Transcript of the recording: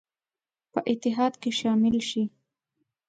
په اتحاد کې شامل شي.